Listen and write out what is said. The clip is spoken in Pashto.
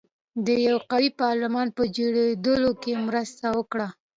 د یوه قوي پارلمان په جوړېدو کې مرسته وکړه.